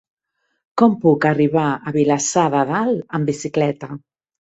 Com puc arribar a Vilassar de Dalt amb bicicleta?